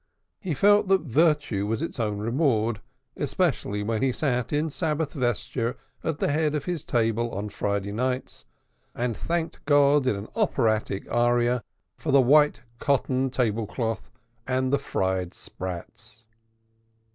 He felt that virtue was its own reward, especially when he sat in Sabbath vesture at the head of his table on Friday nights, and thanked God in an operatic aria for the white cotton table cloth and the fried sprats.